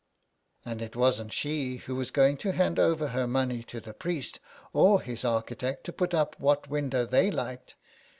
And it wasn't she who was going to hand over her money to the priest or his architect to put up what window they liked.